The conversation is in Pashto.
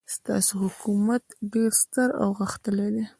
ستاسو حکومت ډېر ستر او غښتلی دی.